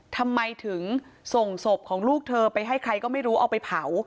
ทำไมถึงส่งศพของลูกเธอไปให้ใครก็ไม่รู้เอาไปเผา